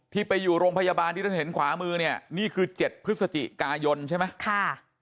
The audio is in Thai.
ไปอยู่โรงพยาบาลที่ท่านเห็นขวามือเนี่ยนี่คือ๗พฤศจิกายนใช่ไหมค่ะ